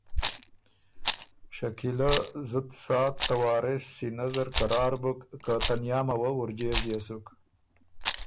شکیلۀ زُت ساعت ته وارث سینۀ زر قرار بُک که تنیامه وه وُرجېژيې سُک،